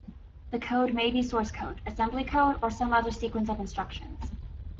The code may be source code, assembly code or some other sequence of instructions.